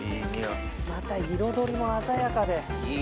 また彩りも鮮やかで。